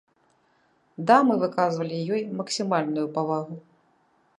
Дамы выказвалі ёй максімальную павагу.